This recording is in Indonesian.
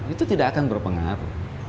itu tidak akan berpengaruh